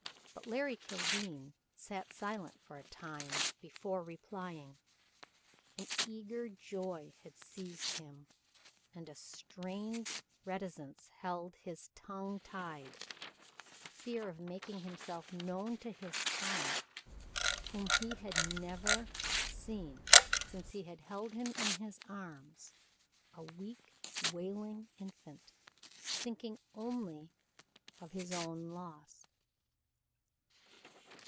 But Larry Kildene sat silent for a time before replying. An eager joy had seized him, and a strange reticence held his tongue tied, a fear of making himself known to this son whom he had never seen since he had held him in his arms, a weak, wailing infant, thinking only of his own loss.